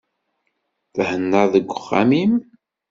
Thennaḍ deg uxxam-im?